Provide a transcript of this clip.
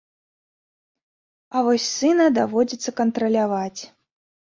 А вось сына даводзіцца кантраляваць.